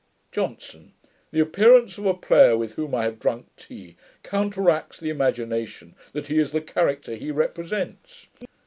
JOHNSON. 'The appearance of a player, with whom I have drunk tea, counteracts the imagination that he is the character he represents.